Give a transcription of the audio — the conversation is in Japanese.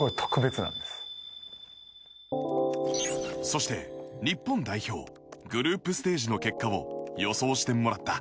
そして、日本代表グループステージの結果を予想してもらった。